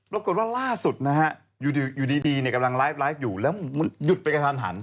แล้วก็ว่าล่าสุดนะฮะอยู่ดีเนี่ยกำลังไลฟ์อยู่แล้วมันหยุดไปกันทัน